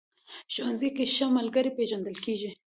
ښوونځی کې ښه ملګري پېژندل کېږي